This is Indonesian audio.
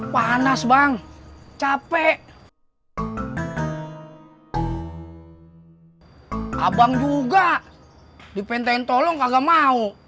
panas bang capek abang juga dipenting tolong kagak mau